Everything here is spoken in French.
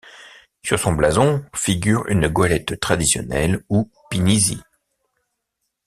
Sur son blason figure une goélette traditionnelle, ou pinisi.